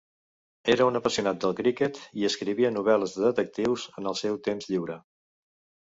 Era un apassionat del criquet i escrivia novel·les de detectius en el seu temps lliure.